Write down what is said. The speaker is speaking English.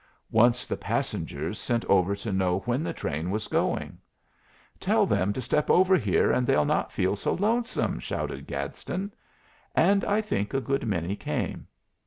Once the passengers sent over to know when the train was going. "Tell them to step over here and they'll not feel so lonesome!" shouted Gadsden; and I think a good many came.